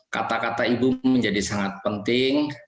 kata kata ibu menjadi sangat penting